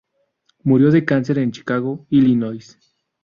Murió de cáncer en Chicago, Illinois.